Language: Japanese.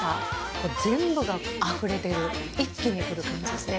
もう全部があふれ出る一気にくる感じですね。